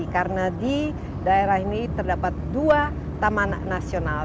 karena di daerah ini terdapat dua taman nasional